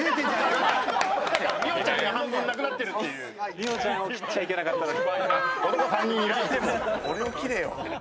美桜ちゃんを切っちゃいけなかったのに。